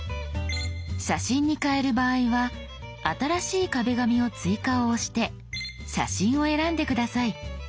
写真に変える場合は「新しい壁紙を追加」を押して「写真」を選んで下さい。